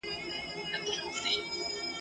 په لوګیو، سرو لمبو دوړو کي ورک دی !.